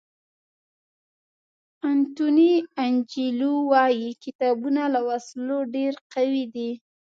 انټوني انجیلو وایي کتابونه له وسلو ډېر قوي دي.